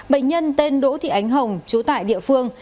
bệnh nhân tên đỗ thị ánh hồng chú tại địa phương